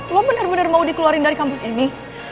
lo bener bener mau dikeluarin dari kampus ini